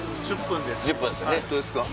１０分です。